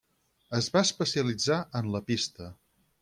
Es va especialitzar en la pista.